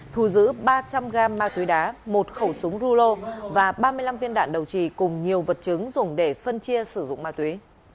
thu giữ ba trăm linh g ma túy đá một khẩu súng rulo và ba mươi năm viên đạn đầu trì cùng nhiều vật chứng dùng để phân chia sử dụng ma túy